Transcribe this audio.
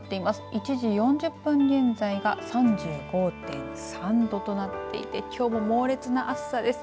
１時４０分現在が３５．３度となっていてきょうも猛烈な暑さです。